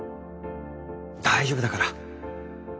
大丈夫だから。